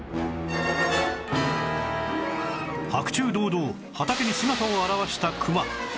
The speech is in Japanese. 白昼堂々畑に姿を現したクマ